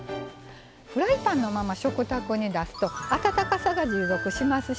フライパンのまま食卓に出すと温かさが持続しますしね